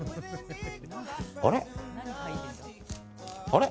あれ？